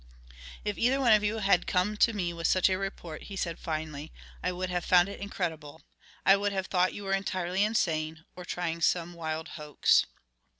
"If either one of you had come to me with such a report," he said finally, "I would have found it incredible; I would have thought you were entirely insane, or trying some wild hoax."